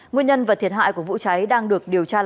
nguyên nhân và thiệt hại của vụ cháy đang được điều tra làm rõ